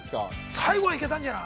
◆最後はいけたんじゃない？